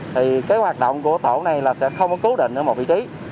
thì cái hoạt động của tổ này là sẽ không có cố định ở một vị trí